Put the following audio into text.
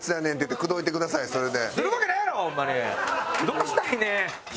どうしたいねん？